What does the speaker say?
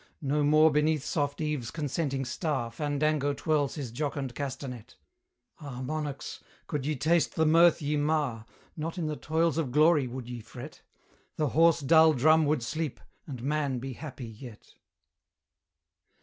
No more beneath soft Eve's consenting star Fandango twirls his jocund castanet: Ah, monarchs! could ye taste the mirth ye mar, Not in the toils of Glory would ye fret; The hoarse dull drum would sleep, and Man be happy yet.